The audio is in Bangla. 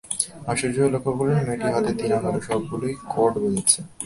আশ্চর্য হয়ে লক্ষ করলেন, মেয়েটি হাতের তিন আঙুলে সবগুলো কর্ডই বাজাচ্ছে।